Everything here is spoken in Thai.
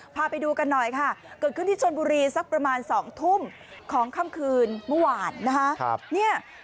พาไปดูกันหน่อยค่ะเกิดขึ้นที่ชนบุรีสักประมาณ๒ทุ่มของค่ำคืนเมื่อวานนะคะ